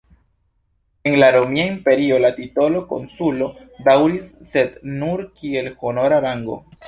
En la Romia Imperio la titolo "konsulo" daŭris, sed nur kiel honora rango.